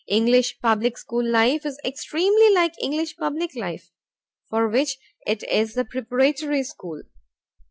English public school life is extremely like English public life, for which it is the preparatory school.